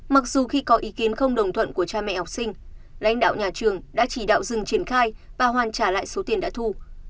mặc dù khi có ý kiến không đồng thuận của cha mẹ học sinh lãnh đạo nhà trường đã chỉ đạo dừng triển khai và hoàn trả lại số tiền đã thu